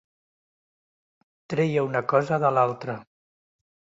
Treia una cosa de l'altra.